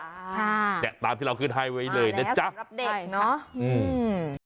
ค่ะเนี้ยตามที่เราขึ้นให้ไว้เลยนะจ๊ะสำหรับเด็กเนอะอืม